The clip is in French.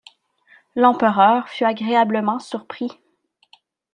L’empereur fut agréablement surpris.